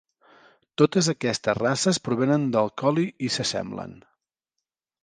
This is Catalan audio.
Totes aquestes races provenen del Collie i s'assemblen.